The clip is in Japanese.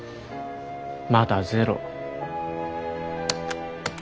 まだゼロ。